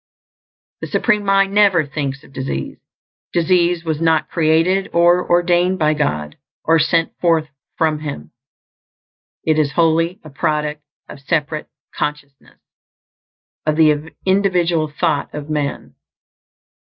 The Supreme Mind never thinks of disease. Disease was not created or ordained by God, or sent forth from him. It is wholly a product of separate consciousness; of the individual thought of man.